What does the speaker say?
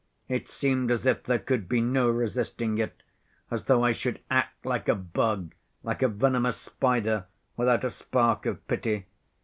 It seemed as if there could be no resisting it; as though I should act like a bug, like a venomous spider, without a spark of pity.